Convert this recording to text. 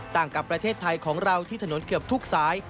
กับประเทศไทยของเราที่ถนนเกือบทุกสาย